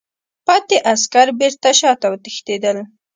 پاتې عسکر بېرته شاته وتښتېدل.